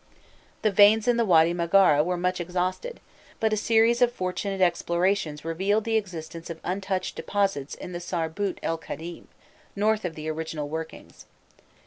The veins in the Wady Maghara were much exhausted, but a series of fortunate explorations revealed the existence of untouched deposits in the Sarbût el Khâdîm, north of the original workings.